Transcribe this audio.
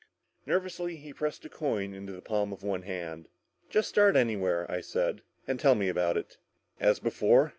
Nervously he pressed a coin into the palm of one hand. "Just start anywhere," I said, "and tell me all about it." "As before?"